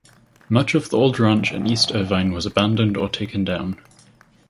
Much of the old Ranch in East Irvine was abandoned or taken down.